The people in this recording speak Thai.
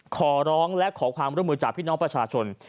ขอร้องและขอความร่วมมือจากพี่น้องประชาชน